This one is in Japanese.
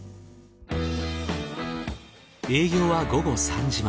営業は午後３時まで。